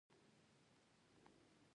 غیرت د زړه جرأت دی